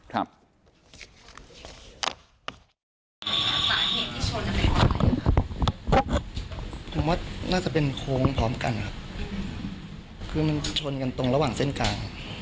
ผมว่าน่าจะเป็นโค้งพร้อมกันครับคือมันชนกันตรงระหว่างเส้นกลาง